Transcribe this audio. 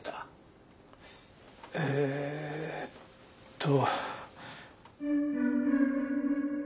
えっと。